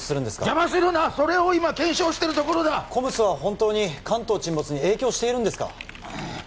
邪魔するなそれを今検証してるところだＣＯＭＳは本当に関東沈没に影響しているんですか？